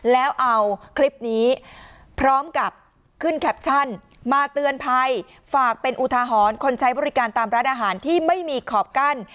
แล้วเอาคลิปนี้พร้อมกับขึ้นแคปชั่นมาเตือนภัยฝากเป็นอุทหรณ์คนใช้บริการตามร้านอาหารที่ไม่มีขอบกั้น